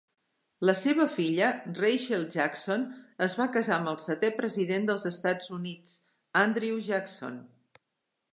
La seva filla, Rachel Jackson, es va casar amb el setè president dels Estats Units, Andrew Jackson.